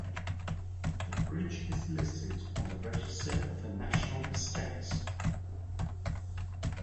The bridge is listed on the Register of the National Estate.